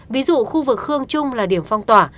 ví dụ khu vực khương trung là điểm phong tỏa